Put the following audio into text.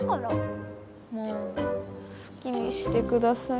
もうすきにしてください。